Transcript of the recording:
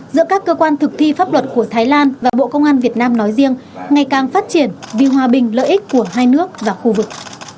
giữa các cơ quan thực thi pháp luật của thái lan và bộ công an việt nam nói riêng ngày càng phát triển vì hòa bình lợi ích của hai nước và khu vực